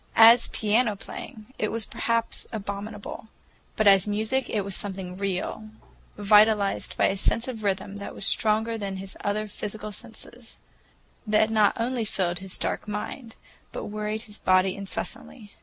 As piano playing, it was perhaps abominable, but as music it was something real, vitalized by a sense of rhythm that was stronger than his other physical senses,—that not only filled his dark mind, but worried his body incessantly.